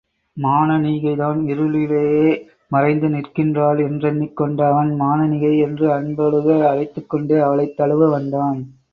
மானனீகைதான் இருளிடையே மறைந்து நிற்கின்றாள் என்றெண்ணிக் கொண்ட அவன், மானனிகை! என்று அன்பொழுக அழைத்துக்கொண்டே அவளைத் தழுவ வந்தான்.